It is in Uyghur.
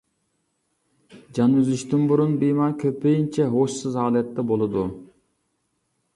جان ئۈزۈشتىن بۇرۇن بىمار كۆپىنچە ھوشسىز ھالەتتە بولىدۇ.